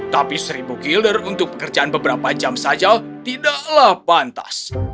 tapi seribu killer untuk pekerjaan beberapa jam saja tidaklah pantas